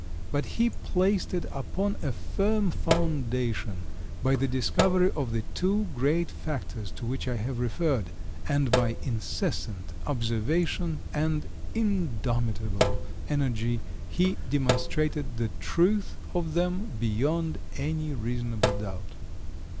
But he placed it upon a firm foundation by the discovery of the two great factors to which I have referred, and, by incessant observation and indomitable energy, he demonstrated the truth of them beyond any reasonable doubt.